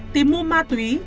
tìm mua ma túy